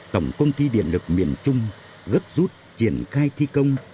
tổng công ty điện lực miền trung gấp rút triển khai thi công